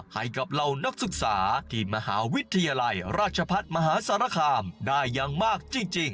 เหล่านักศึกษาที่มหาวิทยาลัยราชพัฒน์มหาสารคามได้อย่างมากจริง